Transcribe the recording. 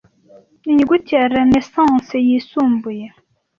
Inyuguti ya Renaissance Yisumbuye